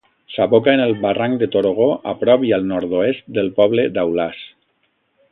S'aboca en el barranc de Torogó a prop i al nord-oest del poble d'Aulàs.